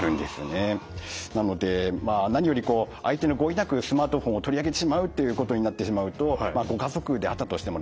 なので何より相手の合意なくスマートフォンを取りあげてしまうっていうことになってしまうとご家族であったとしてもですね